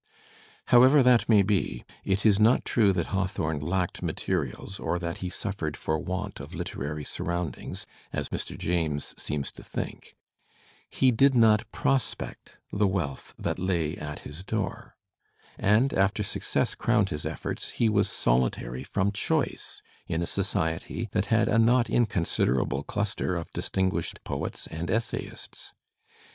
However that may be, it is not true that Hawthorne lacked materials or that he suffered for want of literary surroimdings, as Mr. James seems to think; he did not prospect the wealth that lay at his door; and after success crowned his efforts he was solitary from choice in a society that had a not incon siderable cluster of distinguished poets and essayists.